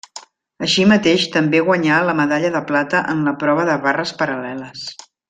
Així mateix també guanyà la medalla de plata en la prova de barres paral·leles.